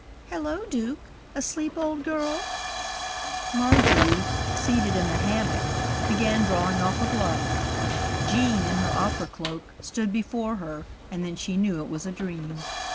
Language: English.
"Hello, Duke! asleep, old girl?" Marjorie, seated in the hammock, began drawing off a glove; Gene, in her opera cloak, stood before her, and then she knew it was a dream.